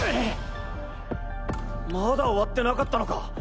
まだ終わってなかったのか！？